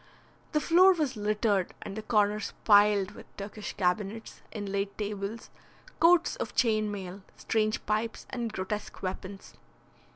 The floor was littered and the corners piled with Turkish cabinets, inlaid tables, coats of chain mail, strange pipes, and grotesque weapons.